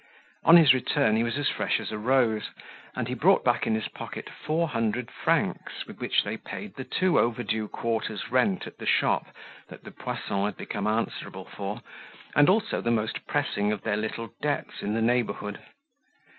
On his return he was as fresh as a rose, and he brought back in his pocket four hundred francs with which they paid the two overdue quarters' rent at the shop that the Poissons had become answerable for, and also the most pressing of their little debts in the neighborhood.